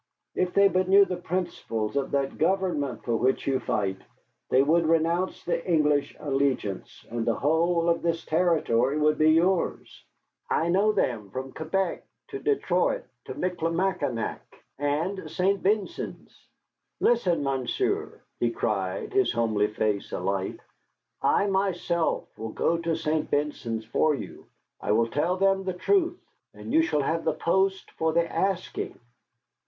If they but knew the principles of that government for which you fight, they would renounce the English allegiance, and the whole of this territory would be yours. I know them, from Quebec to Detroit and Michilimackinac and Saint Vincennes. Listen, monsieur," he cried, his homely face alight; "I myself will go to Saint Vincennes for you. I will tell them the truth, and you shall have the post for the asking."